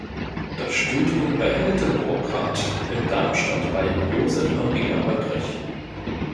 Das Studium beendete Burckhardt in Darmstadt bei Joseph Maria Olbrich.